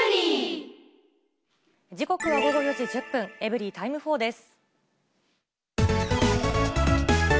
時刻は午後４時１０分、エブリィタイム４です。